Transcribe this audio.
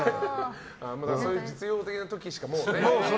そういう実用的な時しかね。